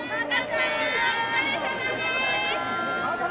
お疲れさまでーす。